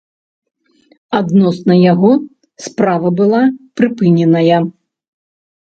Адносна яго справа была прыпыненая.